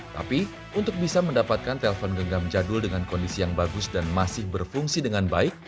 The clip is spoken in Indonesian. tapi untuk bisa mendapatkan telpon genggam jadul dengan kondisi yang bagus dan masih berfungsi dengan baik